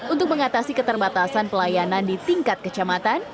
untuk mengatasi keterbatasan pelayanan di tingkat kecamatan